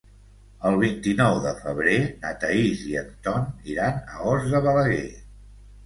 El vint-i-nou de febrer na Thaís i en Ton iran a Os de Balaguer.